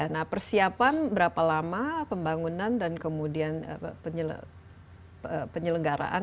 nah persiapan berapa lama pembangunan dan kemudian penyelenggaraan